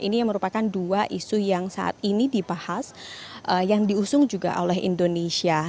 ini yang merupakan dua isu yang saat ini dibahas yang diusung juga oleh indonesia